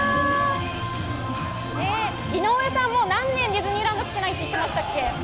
井上さん、もう何年ディズニーランド来てないって言ってましたっけ？